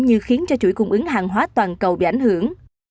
như khiến cho chuỗi cung ứng hàng hóa toàn cầu bị ảnh hưởng